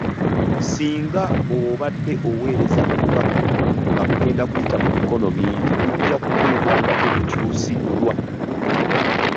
Singa obadde oweereza bubaka nga bugenda kuyita mu mikono mingi bujja kutuuka nga tebukyusiddwa.